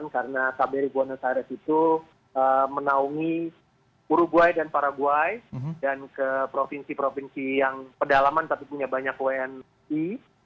karena kbri buenos aires itu menaungi uruguay dan paraguay dan ke provinsi provinsi yang pedalaman tapi punya banyak wni